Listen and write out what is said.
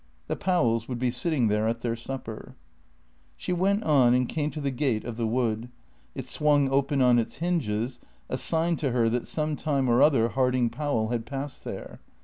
The Powells would be sitting there at their supper. She went on and came to the gate of the wood. It swung open on its hinges, a sign to her that some time or other Harding Powell had passed there.